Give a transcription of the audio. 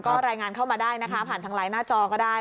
ก็รายงานเข้ามาได้นะคะผ่านทางไลน์หน้าจอก็ได้